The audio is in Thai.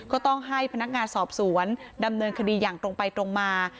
ก็ต้องให้พนักงานสอบสวนดำเนินคดีอย่างตรงไปตรงมา